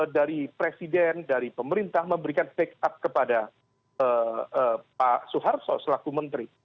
dari presiden dari pemerintah memberikan backup kepada pak soeharto selaku menteri